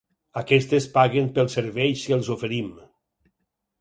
Aquestes paguen pels serveis que els oferim.